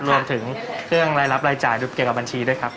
รวมถึงเครื่องรายรับรายจ่ายเกี่ยวกับบัญชีด้วยครับ